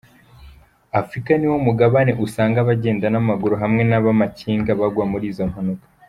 Afrika niwo mugabane usanga abagenda n'amaguru hamwe n'abamakinga bagwa muri izo mpanuka.